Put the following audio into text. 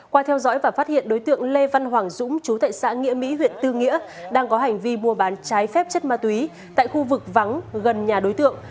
qua theo dõi và phát hiện đối tượng lê văn hoàng dũng chú tại xã nghĩa mỹ huyện tư nghĩa đang có hành vi mua bán trái phép chất ma túy tại khu vực vắng gần nhà đối tượng